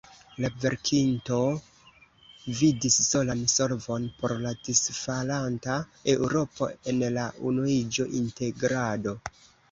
La verkinto vidis solan solvon por la disfalanta Eŭropo en la unuiĝo, integrado.